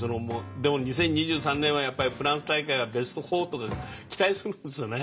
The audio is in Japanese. でも２０２３年はやっぱりフランス大会はベスト４とか期待するんですよね。